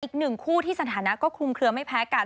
อีกหนึ่งคู่ที่สถานะก็คลุมเคลือไม่แพ้กัน